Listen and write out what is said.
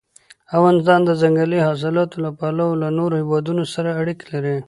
افغانستان د ځنګلي حاصلاتو له پلوه له نورو هېوادونو سره اړیکې لري.